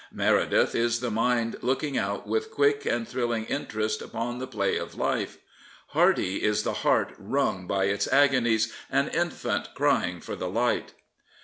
Meredith is the mind looking out with quick and thrilling interest upon the play of life;| Hardy is the heart wrung by its agonies, " an infant crying for the light.''